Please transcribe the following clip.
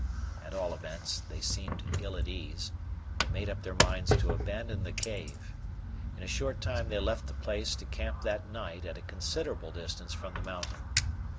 At all events, they seemed ill at ease, and made up their minds to abandon the cave; in a short time they left the place to camp that night at a considerable distance from the mountain.